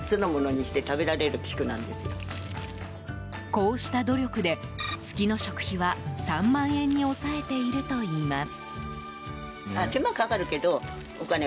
こうした努力で、月の食費は３万円に抑えているといいます。